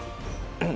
うん